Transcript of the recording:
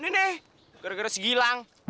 neneh gara gara segilang